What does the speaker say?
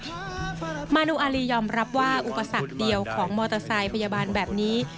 มานูอารียอมรับว่าอุปสรรคเดียวของมอเตอร์ไซค์พยาบาลแบบนี้